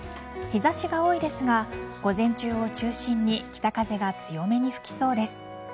日差しが多いですが午前中を中心に北風が強めに吹きそうです。